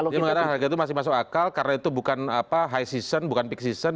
dia mengatakan harga itu masih masuk akal karena itu bukan high season bukan peak season